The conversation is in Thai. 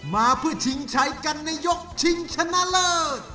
มาเพื่อชิงชัยกันในยกชิงชนะเลิศ